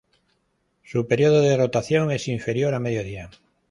Su período de rotación es inferior a medio día.